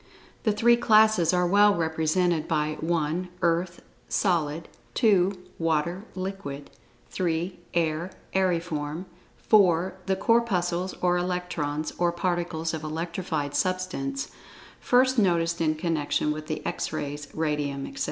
The three classes are well represented by (1) Earth (solid); (2) Water (liquid); (3) Air (aeriform); (4) The Corpuscles or Electrons, or particles of electrified substance, first noticed in connection with the X Rays, Radium, etc.